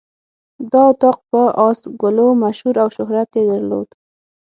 دا اطاق په آس ګلو مشهور او شهرت یې درلود.